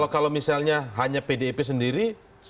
kalau misalnya hanya pdip sendiri